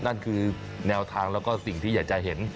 นั่นคือแนวทางแล้วก็สิ่งที่อยากจะเห็น